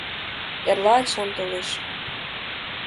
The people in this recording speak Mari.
— Эрла ачам толеш...